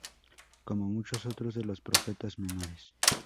Como muchos otros de los profetas menores.